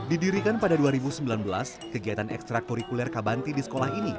didirikan pada dua ribu sembilan belas kegiatan ekstra kurikuler kabanti di sekolah ini